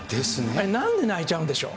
あれ、なんで泣いちゃうんでしょう。